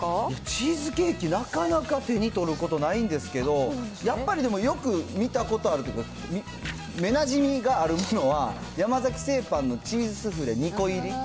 チーズケーキ、なかなか手に取ることないんですけど、やっぱりでも、よく見たことあるっていうか、目なじみがあるのは、山崎製パンのチーズスフレ２個入り。